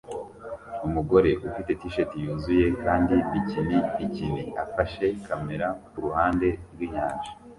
Umugore ufite t-shirt yuzuye kandi bikini bikini afashe kamera kuruhande rwinyanja